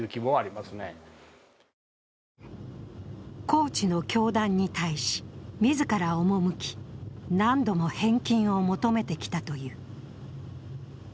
高知の教団に対し、自ら赴き何度も返金を求めてきたという。